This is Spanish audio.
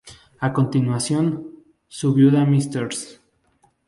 A continuación, su viuda, Mrs.